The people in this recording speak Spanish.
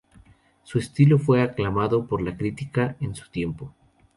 Su estilo fue aclamado por la crítica de su tiempo.